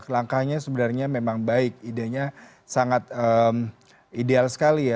langkahnya sebenarnya memang baik idenya sangat ideal sekali ya